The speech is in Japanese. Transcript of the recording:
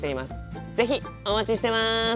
是非お待ちしてます。